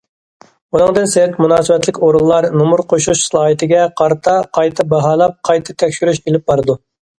ئۇنىڭدىن سىرت مۇناسىۋەتلىك ئورۇنلار نومۇر قوشۇش سالاھىيىتىگە قارىتا قايتا باھالاپ، قايتا تەكشۈرۈش ئېلىپ بارىدۇ.